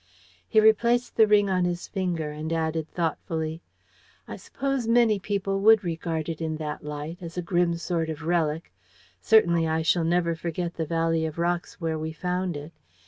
He replaced the ring on his finger, and added thoughtfully: "I suppose many people would regard it in that light as a grim sort of relic. Certainly, I shall never forget the valley of rocks where we found it.